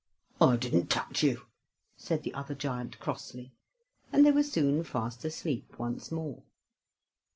"I didn't touch you," said the other giant crossly, and they were soon fast asleep once more.